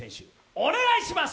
お願いします！